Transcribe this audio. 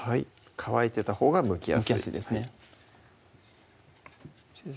乾いてたほうがむきやすいむきやすいですね先生